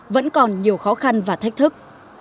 vẫn còn nhiều khó khăn và thách thức